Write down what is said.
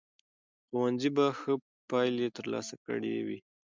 ښوونځي به ښه پایلې ترلاسه کړې وي.